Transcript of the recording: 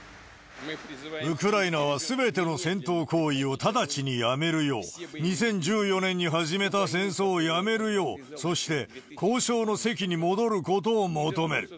ウクライナはすべての戦闘行為を直ちにやめるよう、２０１４年に始めた戦争をやめるよう、そして、交渉の席に戻ることを求める。